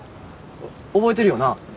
覚えてるよな？